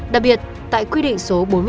đặc biệt tại quy định số bốn mươi bảy